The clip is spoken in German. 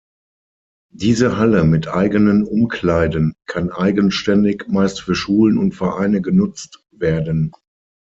Diese Halle mit eigenen Umkleiden kann eigenständig meist für Schulen und Vereine genutzt werden.